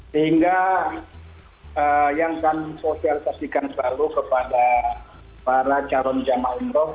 sehingga yang kami sosialisasikan selalu kepada para calon jemaah umroh